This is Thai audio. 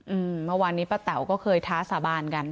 อืมเมื่อวานนี้ป้าแต๋วก็เคยท้าสาบานกัน